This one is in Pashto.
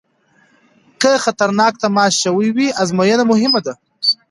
که خطرناک تماس شوی وي ازموینه مهمه ده.